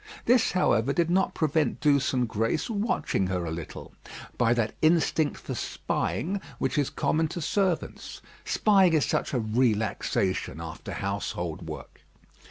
This, however, did not prevent Douce and Grace watching her a little, by that instinct for spying which is common to servants; spying is such a relaxation after household work.